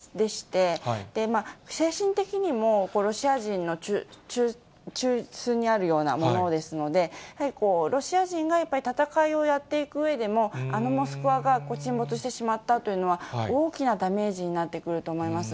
さらに、このモスクワというのは非常に重要な旗艦でして、精神的にも、ロシア人の中枢にあるようなものですので、やはりロシア人が戦いをやっていくうえでも、あのモスクワが沈没してしまったというのは、大きなダメージになってくると思います。